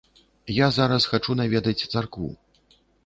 Я зараз хачу наведаць царкву.